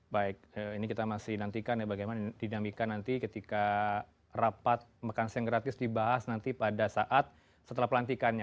baik ini kita masih nantikan ya bagaimana dinamika nanti ketika rapat makan siang gratis dibahas nanti pada saat setelah pelantikannya